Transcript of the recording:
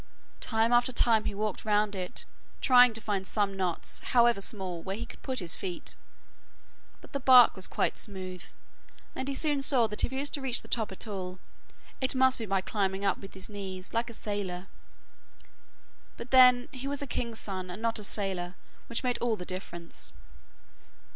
Time after time he walked round it, trying to find some knots, however small, where he could put his feet, but the bark was quite smooth, and he soon saw that if he was to reach the top at all, it must be by climbing up with his knees like a sailor. But then he was a king's son and not a sailor, which made all the difference.